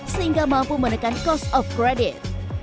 sehingga mampu menekan cost of credit